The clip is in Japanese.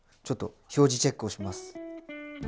ちょっと表示チェックをします。